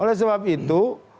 oleh sebab itu